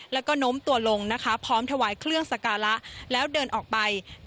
และก็นมตัวลงพร้อมถวายเครื่องศักราชแล้วเดินออกไป